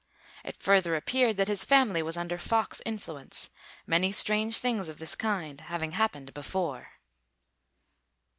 It further appeared that his family was under fox influence, many strange things of this kind having happened before.